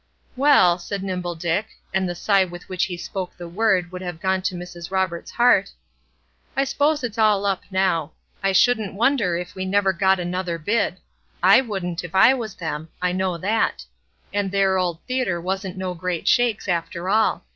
"Well," said Nimble Dick, and the sigh with which he spoke the word would have gone to Mrs. Roberts' heart, "I s'pose it's all up now; I shouldn't wonder if we never got another bid; I wouldn't if I was them, I know that; and their old theatre wasn't no great shakes, after all.